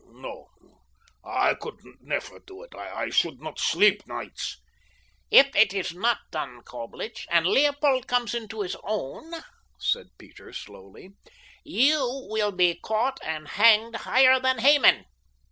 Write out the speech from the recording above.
No, I could never do it. I should not sleep nights." "If it is not done, Coblich, and Leopold comes into his own," said Peter slowly, "you will be caught and hanged higher than Haman.